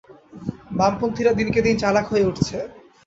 বামপন্থিরা দিনকে দিন চালাক হয়ে উঠছে।